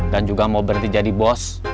dan juga mau berhenti jadi bos